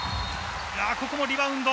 ここもリバウンド。